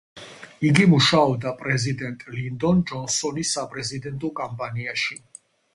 იგი მუშაობდა პრეზიდენტ ლინდონ ჯონსონის საპრეზიდენტო კამპანიაში.